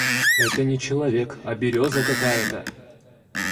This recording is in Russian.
Это не человек а берёза какая то!